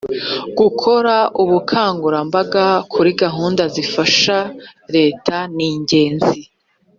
gukora ubukangurambaga kuri gahunda zifasha reta ningenzi.